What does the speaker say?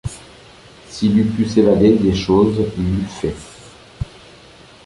S’il eût pu s’évader des choses, il l’eût fait.